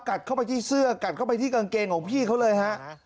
เข้าไปที่เสื้อกัดเข้าไปที่กางเกงของพี่เขาเลยฮะ